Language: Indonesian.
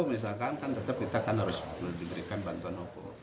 misalkan kan tetap kita harus memberikan bantuan hukum